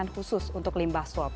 khusus untuk limbah swab